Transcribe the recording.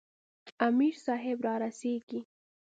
امیر صاحب را رسیږي.